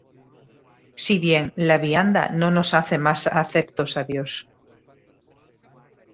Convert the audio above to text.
Si bien la vianda no nos hace más aceptos á Dios: